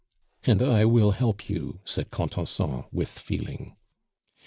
"And I will help you," said Contenson with feeling.